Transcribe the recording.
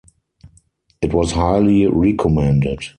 It was highly recommended.